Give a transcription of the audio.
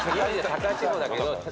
高千穂だけど！